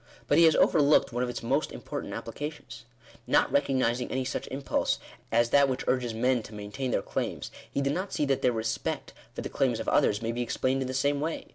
But he has overlooked one of its most important applications. Not recognising any such impulse as that which urges men to maintain their claims,. he did not see that their respect for the claims of others, may be explained in the same way.